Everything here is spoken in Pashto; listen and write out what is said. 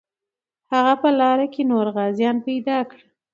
هغه په لاره کې نور غازیان پیدا کړل.